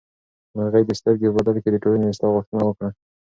مرغۍ د سترګې په بدل کې د ټولنې د اصلاح غوښتنه وکړه.